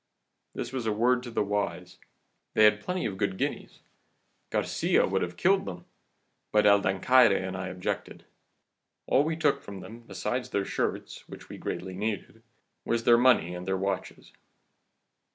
This was a word to the wise. They had plenty of good guineas. Garcia would have killed them, but El Dancaire and I objected. All we took from them, besides their shirts, which we greatly needed, was their money and their watches.